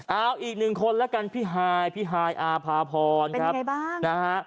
เอาอีกหนึ่งคนแล้วกันพี่ฮายพี่ฮายอาภาพรครับใครบ้างนะฮะ